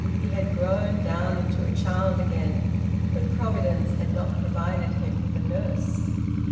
He had grown down into a child again, but Providence had not provided him with a nurse.